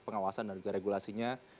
pengawasan dan juga regulasinya